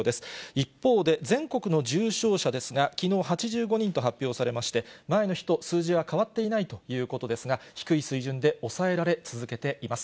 一方で、全国の重症者ですが、きのう８５人と発表されまして、前の日と数字は変わっていないということですが、低い水準で抑えられ続けています。